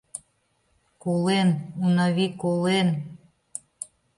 Колен, Унави, колен...